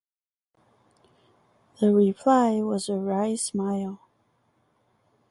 The reply was a wry smile.